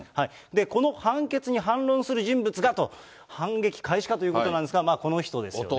この判決に反論する人物がと、反撃開始かということなんですが、この人ですよね。